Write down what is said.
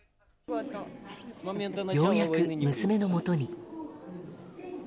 ようやく娘のもとに。